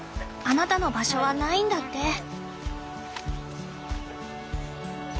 あなたの場所はないんだって。